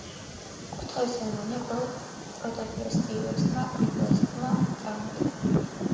კურთხევის ცერემონია კვლავ პროტოპრესვიტერმა ნიკოლოზმა წარმართა.